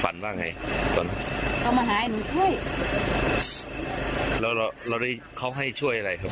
วันบ้างไงก่อนมาหน่อยเราหาแบบหนูช่วยเขาให้ช่วยอะไรครับ